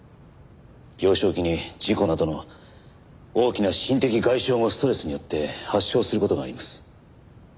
幼少期に事故などの大きな心的外傷後ストレスによって発症する事があります。